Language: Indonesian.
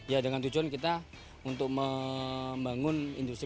ya dengan tujuan kita untuk membangun tank ini